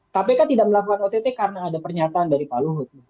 kpk tidak melakukan ott karena ada pernyataan dari pak luhut